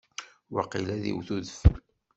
Waqil ad iwet udfel.